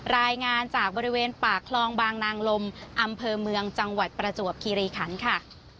รายงานจากบริเวณปากคลองบางนางลมอำเภอเมืองจังหวัดประจวบคีรีคันค่ะ